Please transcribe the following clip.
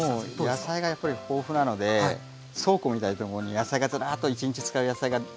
もう野菜がやっぱり豊富なので倉庫みたいなところに野菜がズラーッと１日使う野菜があるんですよ。